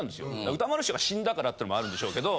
歌丸師匠が死んだからってのもあるんでしょうけど。